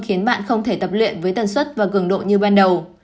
khiến bạn không thể tập luyện với tần suất và cường độ như ban đầu